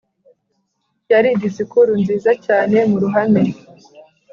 yari disikuru nziza cyane muruhame